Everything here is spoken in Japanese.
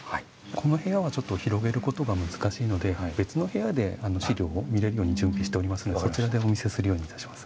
この部屋はちょっと広げることが難しいので別の部屋で資料を見れるように準備しておりますのでそちらでお見せするようにいたします。